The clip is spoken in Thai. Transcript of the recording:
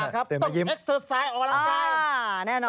ตื่นมาครับต้องเชิดสายออกมาแล้วครับ